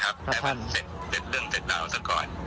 แล้วก็เสร็จเรื่องเจ้าก่อน